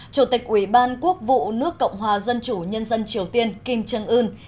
chủ tịch ủy ban quốc vụ nước cộng hòa dân chủ nhân dân triều tiên kim trân ưn